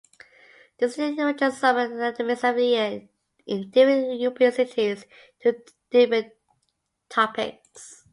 The institute arranges summer academies every year in different European cities to different topics.